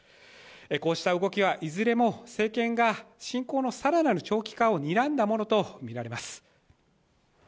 こうした動きはいずれも政権が侵攻の更なる長期化をにらんだものとみられます。